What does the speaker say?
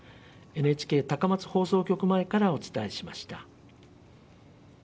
ＮＨＫ高松放送局前からお伝えしました。